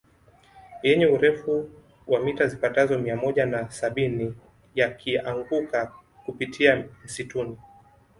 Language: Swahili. Yenye urefu wa mita zipatazo mia moja na sabini yakianguka kupitia msituni